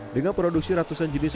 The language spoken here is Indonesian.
dengan produksi ratusan jenis